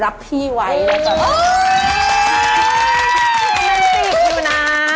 การที่บูชาเทพสามองค์มันทำให้ร้านประสบความสำเร็จ